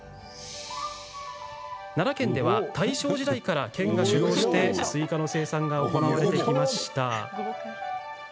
奈良県では大正時代から県が主導しスイカの生産が行われてきました。